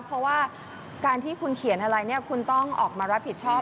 เพราะว่าการที่คุณเขียนอะไรเนี่ยคุณต้องออกมารับผิดชอบ